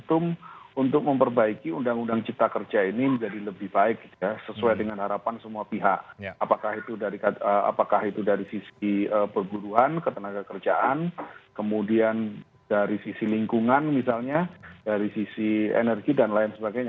untuk memperbaiki undang undang cipta kerja ini menjadi lebih baik sesuai dengan harapan semua pihak apakah itu dari sisi perburuhan ketenaga kerjaan kemudian dari sisi lingkungan misalnya dari sisi energi dan lain sebagainya